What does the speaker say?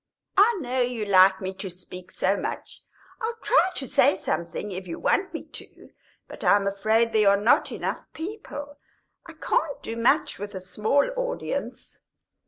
"I know you like me to speak so much I'll try to say something if you want me to. But I'm afraid there are not enough people; I can't do much with a small audience."